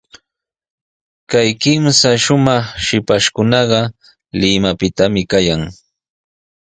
Kay kimsa shumaq shipashkunaqa Limapitami kayan.